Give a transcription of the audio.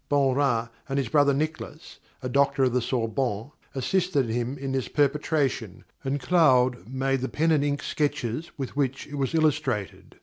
Beaurain and his brother Nicholas, a doctor of the Sorbonne, assisted him in this perpetration, and Claude made the pen and ink sketches with which it was illustrated.